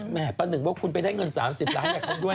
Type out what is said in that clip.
แม่ปลาหนึ่งว่าคุณไปได้เงิน๓๐ล้านบาทอยากเข้าด้วย